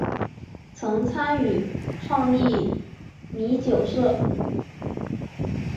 曾参与创立弥洒社。